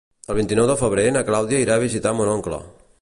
El vint-i-nou de febrer na Clàudia irà a visitar mon oncle.